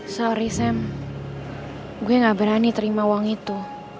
sorry sam gue gak berani terima uang itu